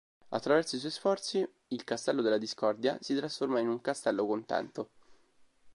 Attraverso i suoi sforzi, il "castello della discordia" si trasforma in un "castello contento".